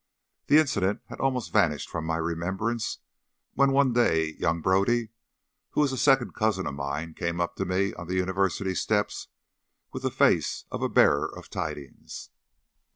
The incident had almost vanished from my remembrance, when one day young Brodie, who is a second cousin of mine, came up to me on the university steps with the face of a bearer of tidings.